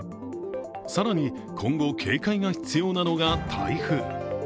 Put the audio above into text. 更に今後、警戒が必要なのが台風。